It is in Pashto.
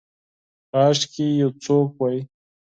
کاشکي یو څوک وی